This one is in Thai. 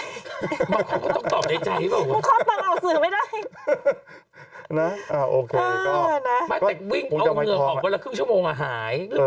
บางคนต้องตอบในใจหรือเปล่า